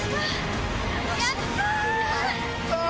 やった！